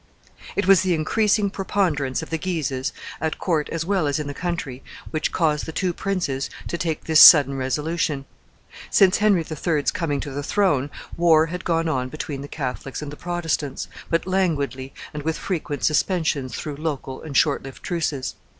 It was the increasing preponderance of the Guises, at court as well as in the country, which caused the two princes to take this sudden resolution. Since Henry III.'s coming to the throne, war had gone on between the Catholics and the Protestants, but languidly and with frequent suspensions through local and shortlived truces.